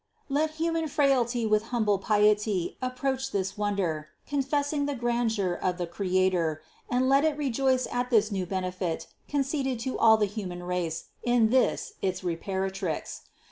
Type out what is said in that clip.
Let human frailty with humble piety approach this wonder, confessing the grandeur of the Creator, and let it rejoice at this new benefit conceded to all the human race in this its Reparatrix.